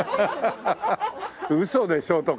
「ウソでしょ」とか。